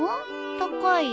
高い？